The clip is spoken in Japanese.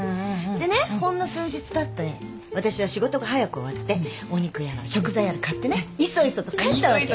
でねほんの数日たって私は仕事が早く終わってお肉やら食材やら買ってねいそいそと帰ったわけ。